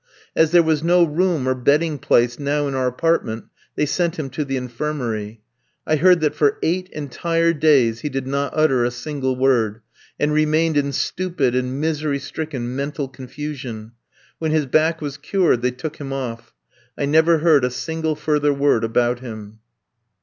As there was no room or bedding place now in our apartment they sent him to the infirmary. I heard that for eight entire days he did not utter a single word, and remained in stupid and misery stricken mental confusion. When his back was cured they took him off. I never heard a single further word about him.